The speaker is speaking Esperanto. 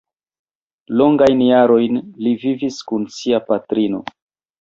Longajn jarojn li vivis kun sia patrino.